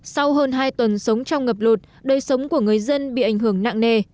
sau hơn hai tuần sống trong ngập lụt đời sống của người dân bị ảnh hưởng nặng nề